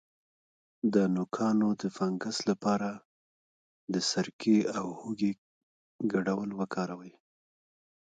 د نوکانو د فنګس لپاره د سرکې او هوږې ګډول وکاروئ